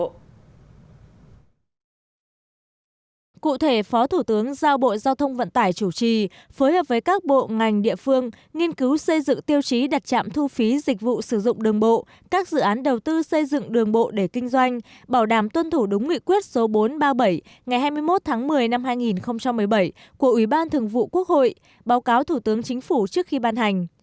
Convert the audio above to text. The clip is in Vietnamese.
phó thủ tướng trịnh đình dũng đã giao bộ giao thông vận tải chủ trì phối hợp với các bộ ngành địa phương nghiên cứu xây dựng tiêu chí đặt trạm thu phí dịch vụ sử dụng đường bộ các dự án đầu tư xây dựng đường bộ để kinh doanh bảo đảm tuân thủ đúng nguyện quyết số bốn trăm ba mươi bảy ngày hai mươi một tháng một mươi năm hai nghìn một mươi bảy của ủy ban thường vụ quốc hội báo cáo thủ tướng chính phủ trước khi ban hành